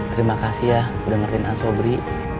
terima kasih ya udah ngerti asobri